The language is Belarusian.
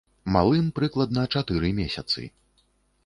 Малым прыкладна чатыры месяцы.